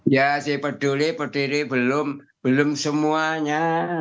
ya si peduli berdiri belum belum semuanya